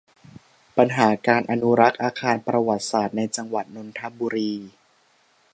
ปัญหาการอนุรักษ์อาคารประวัติศาสตร์ ในจังหวัดนนทบุรี